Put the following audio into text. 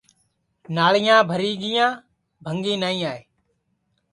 ناݪیاں بھری گیا بھنٚگی نائی آئے